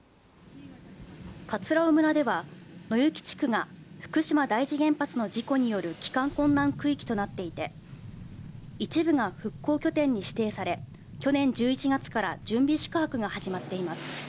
葛尾村では野行地区が福島第一原発の原発事故による帰還困難区域となっていて一部が復興拠点に指定され去年１１月から準備宿泊が始まっています。